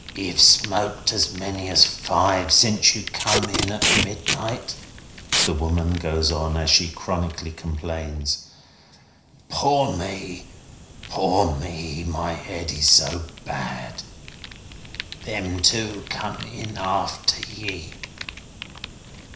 "Ye've smoked as many as five since ye come in at midnight," the woman goes on, as she chronically complains. "Poor me, poor me, my head is so bad. Them two come in after ye.